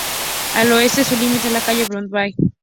Al oeste su límite es la calle Broadway.